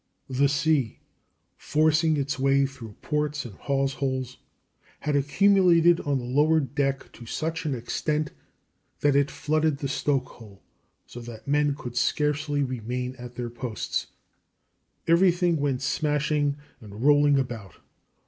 The sea, forcing its way through ports and hawse holes, had accumulated on the lower deck to such an extent that it flooded the stoke hole, so that the men could scarcely remain at their posts. Everything went smashing and rolling about.